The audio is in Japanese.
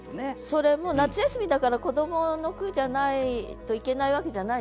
それも「夏休」だから子どもの句じゃないといけないわけじゃないでしょ。